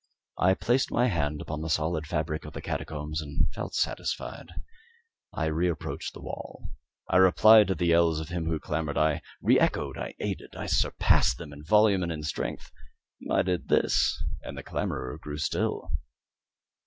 I placed my hand upon the solid fabric of the catacombs, and felt satisfied. I reapproached the wall; I replied to the yells of him who clamoured. I re echoed I aided I surpassed them in volume and in strength. I did this, and the clamourer grew still.